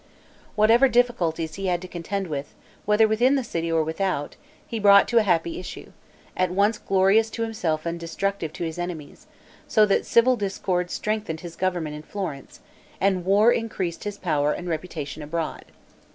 Whatever difficulties he had to contend with, whether within the city or without, he brought to a happy issue, at once glorious to himself and destructive to his enemies; so that civil discord strengthened his government in Florence, and war increased his power and reputation abroad.